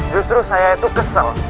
justru saya itu kesel